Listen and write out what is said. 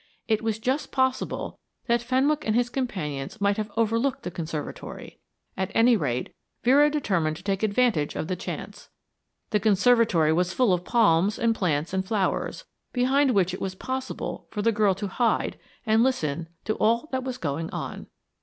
It was just possible that Fenwick and his companions might have overlooked the conservatory. At any rate, Vera determined to take advantage of the chance. The conservatory was full of palms and plants and flowers, behind which it was possible for the girl to hide and listen to all that was going on.